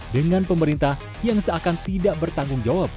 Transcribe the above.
dengan pemerintah yang seakan tidak bertanggung jawab